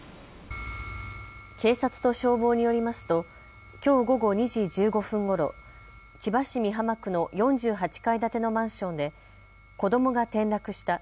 警察と消防によりますときょう午後２時１５分ごろ千葉市美浜区の４８階建てのマンションで子どもが転落した。